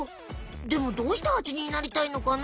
でもどうしてハチになりたいのかな？